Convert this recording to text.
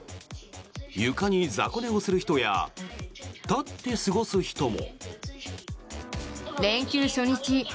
床に雑魚寝をする人や立って過ごす人も。